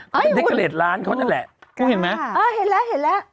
เป็นเทกเกรดร้านเขาเนี่ยแหละ